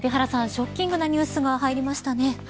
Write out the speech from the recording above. ショッキングなニュースが入りましたね。